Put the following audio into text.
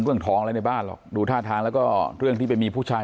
เรื่องทองอะไรในบ้านหรอกดูท่าทางแล้วก็เรื่องที่ไปมีผู้ชาย